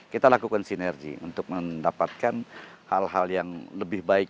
kita lakukan sinergi untuk mendapatkan hal hal yang lebih baik